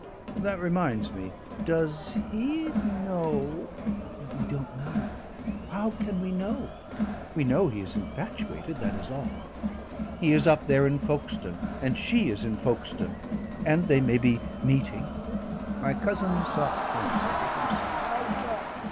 "That reminds me. Does he know " "We don't know. How can we know? We know he is infatuated, that is all. He is up there in Folkestone, and she is in Folkestone, and they may be meeting " My cousin sought counsel with himself.